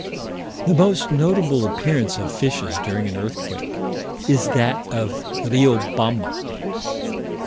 The most notable appearance of fishes during an earthquake is that of Riobamba.